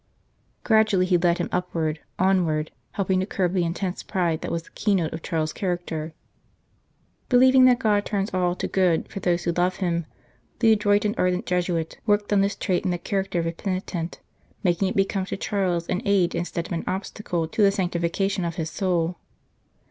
Gradually he led him upward, onward, helping to curb the intense pride that was the keynote of Charles s character. Believing that God turns all to good for those who love Him, the adroit and ardent Jesuit worked on this trait in the character of his penitent, making it become to Charles an aid instead of an obstacle to the sanctification of his soul.